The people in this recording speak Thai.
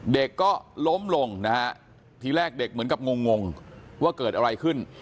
เด็กก็ล้มลงนะฮะทีแรกเด็กเหมือนกับงงงว่าเกิดอะไรขึ้น